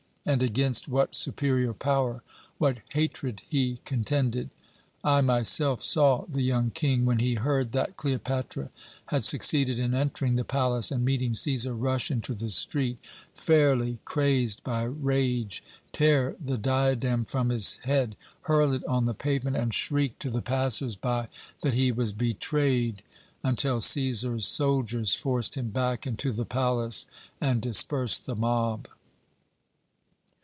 And against what superior power, what hatred he contended! I myself saw the young King, when he heard that Cleopatra had succeeded in entering the palace and meeting Cæsar, rush into the street, fairly crazed by rage, tear the diadem from his head, hurl it on the pavement, and shriek to the passers by that he was betrayed, until Cæsar's soldiers forced him back into the palace, and dispersed the mob.